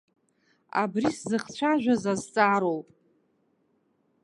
Абри сзыхцәажәаз азҵаароуп.